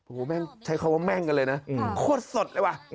โอ้โหแม่งใช้คำว่าแม่งกันเลยนะโคตรสดเลยว่ะ